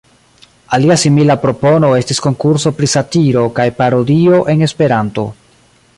Alia simila propono estis konkurso pri satiro kaj parodio en Esperanto.